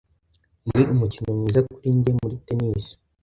Ni umukino mwiza kuri njye muri tennis.